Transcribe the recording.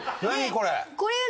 これ。